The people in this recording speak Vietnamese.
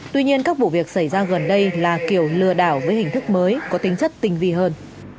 tuy nhiên các vụ việc xảy ra gần đây là kiểu lừa đảo với hình thức mới có tính chất tinh vi hơn